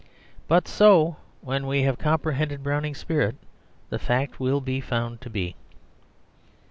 But so, when we have comprehended Browning's spirit, the fact will be found to be.